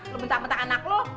lo bentak bentak anak lo